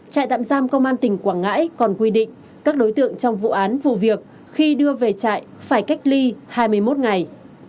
trại tạm giam công an tỉnh quảng ngãi còn quy định các đối tượng trong vụ án vụ việc khi đưa về trại phải cách ly hai mươi một ngày